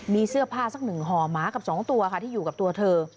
มีเสื้อผ้าสักหนึ่งห่อหมากับ๒ตัวค่ะที่อยู่กับตัวเธอ